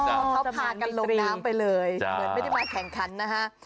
เขาพากันลงน้ำไปเลยเหมือนไม่ได้มาแข่งขันนะฮะ